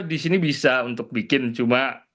di sini bisa untuk bikin cuma